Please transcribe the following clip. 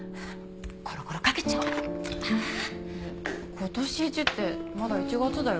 今年一ってまだ１月だよ。